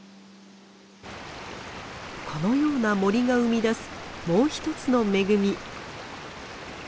このような森が生み出すもう一つの恵み。